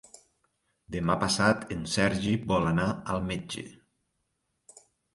Demà passat en Sergi vol anar al metge.